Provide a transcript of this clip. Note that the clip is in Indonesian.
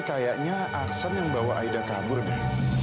kayaknya aksan yang bawa aida kabur kak